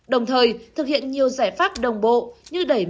đồng thời thực hiện nhiều giải pháp đồng bộ như đẩy mạnh